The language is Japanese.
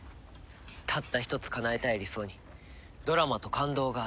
たった一つかなえたい理想にドラマと感動がある。